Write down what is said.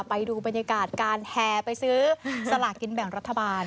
ไปดูบรรยากาศการแห่ไปซื้อสลากกินแบ่งรัฐบาล